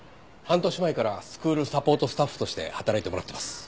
半年前からスクールサポートスタッフとして働いてもらってます。